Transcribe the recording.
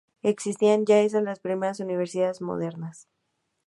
Existían ya en las primeras universidades modernas.